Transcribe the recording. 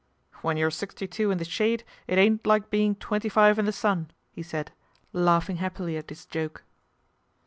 ' When you're sixty two in the shade it ain't like being twenty five in the sun," he said, laughing happily at his joke.